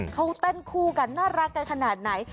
เขาเต้นคู่กันน่ารักกันขนาดไหน